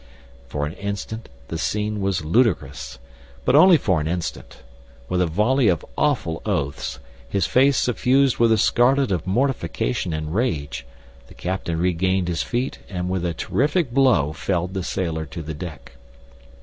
For an instant the scene was ludicrous; but only for an instant. With a volley of awful oaths, his face suffused with the scarlet of mortification and rage, the captain regained his feet, and with a terrific blow felled the sailor to the deck.